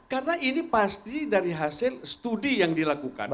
karena ini pasti dari hasil studi yang dilakukan